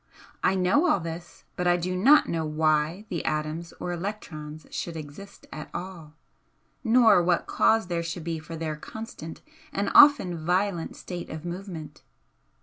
I know all this, but I do not know why the atoms or electrons should exist at all, nor what cause there should be for their constant and often violent state of movement.